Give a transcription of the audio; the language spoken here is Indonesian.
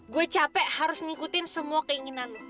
gue capek harus ngikutin semua keinginan lo